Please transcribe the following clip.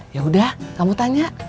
ya udah kamu tanya